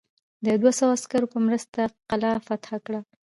د دوه سوه عسکرو په مرسته قلا فتح کړه.